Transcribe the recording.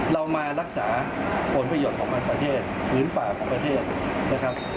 เรามารักษาผลประโยชน์ของประเทศพื้นป่าของประเทศนะครับ